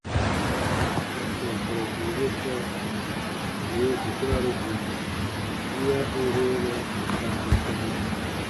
Tɔn kurɔ bii be sɔɔ wì u bukuraru bo wiya n weenɛ ù kaaru sɔbe.